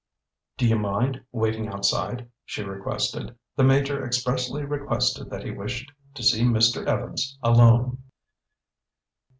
"Do you mind waiting outside?" she requested. "The Major expressly requested that he wished to see Mr. Evans alone."